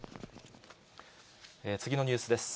次のニュースです。